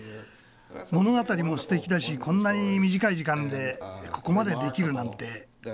物語もすてきだしこんなに短い時間でここまで出来るなんて驚いた。